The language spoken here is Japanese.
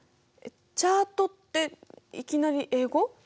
チャートっていきなり英語？